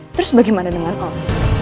terus bagaimana dengan om